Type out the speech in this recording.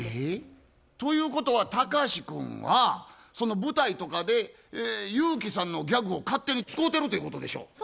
えっ。ということはタカシ君はその舞台とかでユウキさんのギャグを勝手に使うてるということでしょ？